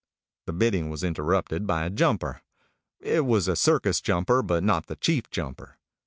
The bidding was interrupted by a Jumper. It was a circus Jumper, but not the Chief Jumper.